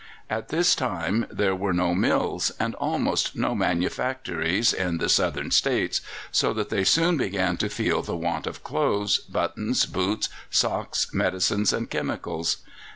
At this time there were no mills, and almost no manufactories in the Southern States, so that they soon began to feel the want of clothes, buttons, boots, socks, medicines, and chemicals.